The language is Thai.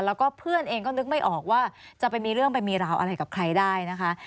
แล้วก็เพื่อนเองก็นึกไม่ออกว่าจะไปมีเรื่องไปมีราวอะไรกับใครได้นะคะ